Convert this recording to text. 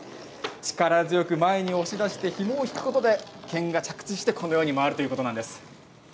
力強く前に押し出してひもを引くことで剣が着地してこのように回るということなんです。